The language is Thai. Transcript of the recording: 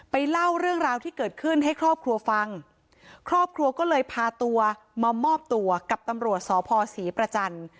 เล่าเรื่องราวที่เกิดขึ้นให้ครอบครัวฟังครอบครัวก็เลยพาตัวมามอบตัวกับตำรวจสพศรีประจันทร์